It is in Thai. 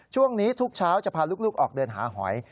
ช่วงนี้ทุกเช้าจะพาลูกออกเดินหาหอย